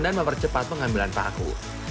dan mempercepat pengambilan paku